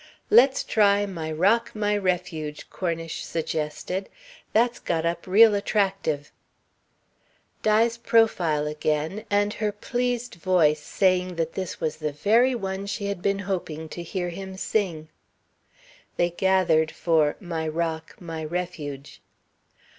"Let's try 'My Rock, My Refuge,'" Cornish suggested. "That's got up real attractive." Di's profile again, and her pleased voice saying that this was the very one she had been hoping to hear him sing. They gathered for "My Rock, My Refuge."